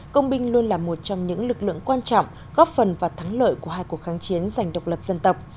công binh luôn là một trong những lực lượng quan trọng góp phần và thắng lợi của hai cuộc kháng chiến dành độc lập dân tộc